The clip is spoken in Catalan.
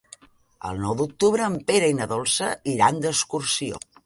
El nou d'octubre en Pere i na Dolça iran d'excursió.